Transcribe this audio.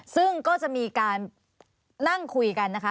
ซึ่งก็จะมีการนั่งคุยกันนะคะ